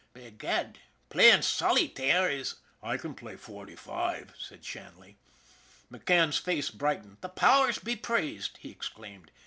Begad, playin' solytare is "" I can play forty five," said Shanley. McCann's face brightened. " The powers be praised !" he exclaimed.